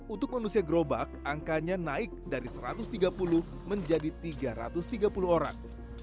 untuk manusia gerobak angkanya naik dari satu ratus tiga puluh menjadi tiga ratus tiga puluh orang